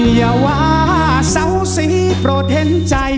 หยาวาเศร้าสีโปรดเห็นใจ